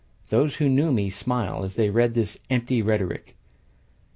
Those who knew me smile As they read this empty rhetoric.